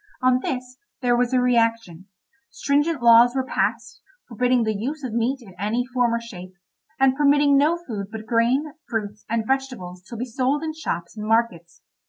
On this, there was a reaction; stringent laws were passed, forbidding the use of meat in any form or shape, and permitting no food but grain, fruits, and vegetables to be sold in shops and markets.